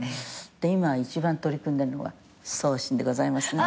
で今一番取り組んでるのが痩身でございますね。